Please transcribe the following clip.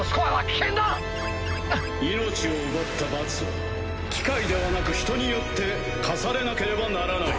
ピィーピィー命を奪った罰は機械ではなく人によって科されなければならない。